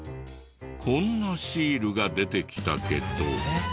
こんなシールが出てきたけど。